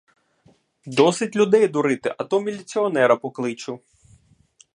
Досить людей дурити, а то міліціонера покличу.